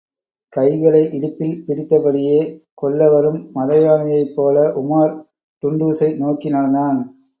கைகளை இடுப்பில் பிடித்தபடியே, கொல்லவரும் மதயானையைப்போல உமார் டுன்டுஷை நோக்கி நடந்தான்.